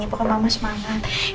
pokoknya mama semangat